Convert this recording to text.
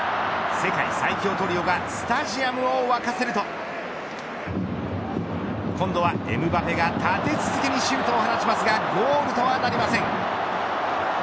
世界最強トリオがスタジアムを沸かせると今度はエムバペが立て続けにシュートを放ちますがゴールとはなりません。